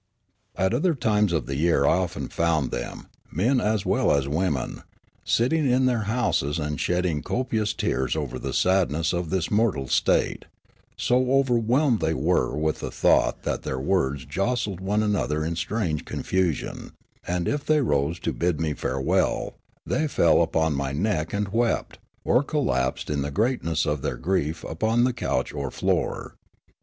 At other times of the year I often found them, men as well as women, sitting in their houses and shedding copious tears over the sadness of this mortal state ; so overwhelmed were they with the thought that their words jostled one another in strange confusion ; and if they rose to bid me farewell, they fell upon my neck and wept, or collapsed in the greatness of their grief upon the couch or floor.